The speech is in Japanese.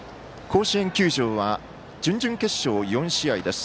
甲子園球場は準々決勝４試合です。